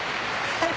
はい。